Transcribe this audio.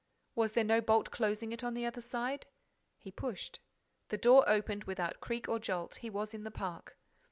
Was there no bolt closing it on the other side? He pushed: the door opened, without a creak or jolt. He was in the park.